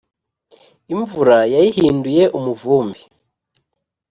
imvura yayihinduye umuvumbi